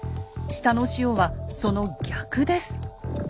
下の潮はその逆です。